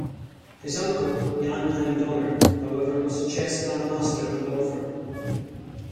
His uncle Jan Hein Donner, however, was a chess grandmaster and author.